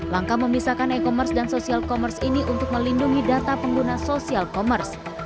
langkah memisahkan e commerce dan social commerce ini untuk melindungi data pengguna sosial commerce